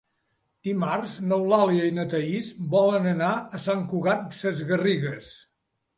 Dimarts n'Eulàlia i na Thaís volen anar a Sant Cugat Sesgarrigues.